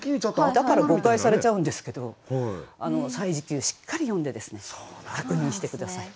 だから誤解されちゃうんですけど「歳時記」をしっかり読んで確認して下さい。